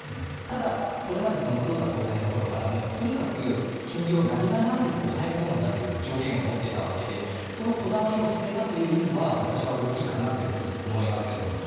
これまで黒田総裁のころからとにかく金利を何が何でも抑え込むという上限を持っていたわけでそのこだわりを捨てた意味は私は大きいかなと思います。